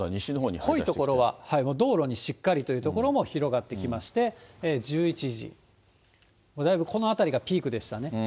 濃い所は道路にしっかりという所も広がってきまして、１１時、このあたりがだいぶピークでしたね。